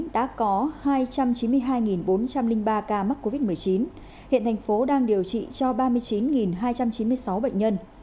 đã có hai trăm chín mươi hai bốn trăm linh ba ca mắc covid một mươi chín hiện thành phố đang điều trị cho ba mươi chín hai trăm chín mươi sáu bệnh nhân